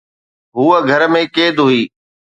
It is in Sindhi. هوءَ گهر ۾ قيد هئي